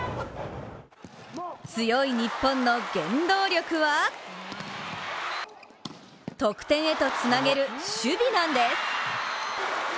強い日本の原動力は得点へとつなげる、守備なんです。